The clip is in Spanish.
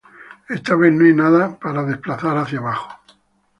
Esta vez, no hay nada para "desplazar hacia abajo".